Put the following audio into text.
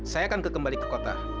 saya akan kembali ke kota